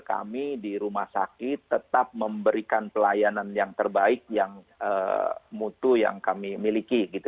kami di rumah sakit tetap memberikan pelayanan yang terbaik yang mutu yang kami miliki